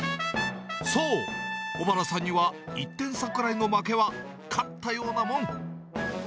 そう、小原さんには、１点差くらいの負けは、勝ったようなもん。